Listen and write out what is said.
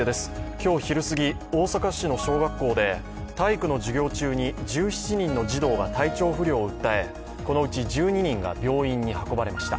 今日昼過ぎ、大阪市の小学校で体育の授業中に１７人の児童が体調不良を訴え、このうち、１２人が病院に運ばれました。